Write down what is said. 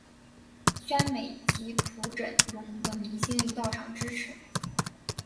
宣美及朴轸永等明星亦到场支持。